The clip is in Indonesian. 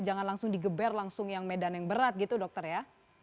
jangan langsung digeber langsung yang medan yang berat gitu dokter ya